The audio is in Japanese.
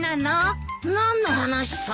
何の話さ。